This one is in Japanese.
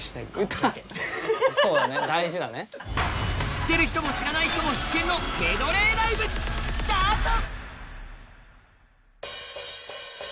知ってる人も知らない人も必見のメドレーライブ、スタート！